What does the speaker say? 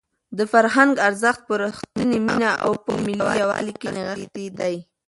د فرهنګ ارزښت په رښتونې مینه او په ملي یووالي کې نغښتی دی.